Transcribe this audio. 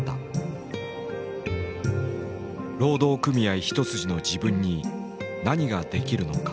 労働組合一筋の自分に何ができるのか。